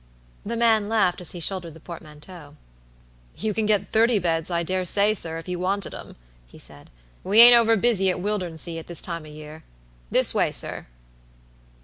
The man laughed as he shouldered the portmanteau. "You can get thirty beds, I dare say, sir, if you wanted 'em," he said. "We ain't over busy at Wildernsea at this time o' year. This way, sir."